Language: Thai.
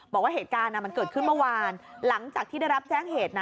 บอกว่าเหตุการณ์มันเกิดขึ้นเมื่อวานหลังจากที่ได้รับแจ้งเหตุนะ